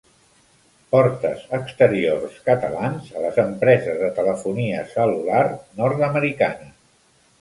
Portes exteriors catalans a les empreses de telefonia cel·lular nord-americanes.